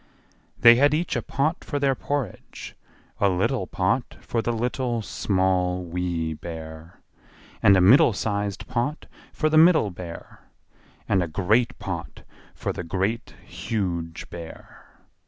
They had each a pot for their porridge, a little pot for the Little, Small, Wee Bear; and a middle sized pot for the Middle Bear; and a great pot for the Great, Huge Bear.